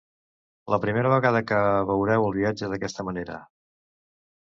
La primera vegada que veureu el viatge d'aquesta manera